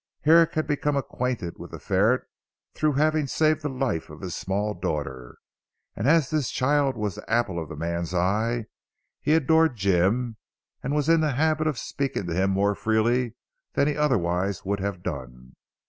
Herrick had become acquainted with the ferret through having saved the life of his small daughter, and as this child was the apple of the man's eye, he adored Jim and was in the habit of speaking to him more freely than he otherwise would have done.